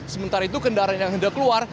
sementara itu kendaraan yang hendak keluar